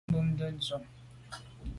Nya bùnte ndù.